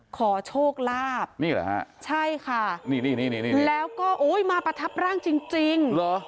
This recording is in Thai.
ขอโชคลาบนี่เหรอครับใช่ค่ะนี่แล้วก็โอ๊ยมาประทับร่างจริง